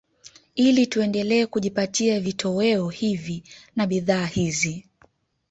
Ili tuendelee kujipatia vitoweo hivi na bidhaa hizi